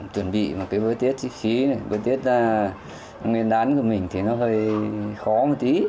chuẩn bị một cái bữa tiết xích xí bữa tiết nguyên đán của mình thì nó hơi khó một tí